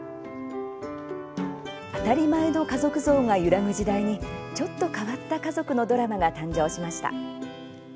当たり前の家族像が揺らぐ時代にちょっと変わった家族のドラマが誕生しました。